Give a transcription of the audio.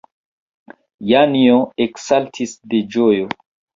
Janjo eksaltis de ĝojo.